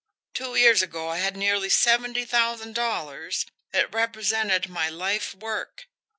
Two years ago I had nearly seventy thousand dollars it represented my life work.